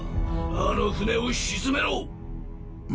あの船を沈めろ！